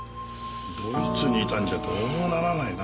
ドイツにいたんじゃどうにもならないな。